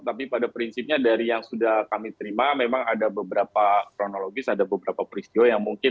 tapi pada prinsipnya dari yang sudah kami terima memang ada beberapa kronologis ada beberapa peristiwa yang mungkin